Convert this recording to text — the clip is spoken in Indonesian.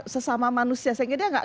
sesama manusia saya kira ini agak